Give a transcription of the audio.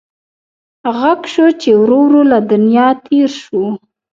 غږ شو چې ورور له دنیا تېر شو.